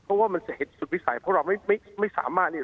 เพราะว่ามันจะเห็นสุดวิสัยเพราะเราไม่สามารถเนี่ย